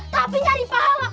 tapi nyari pahala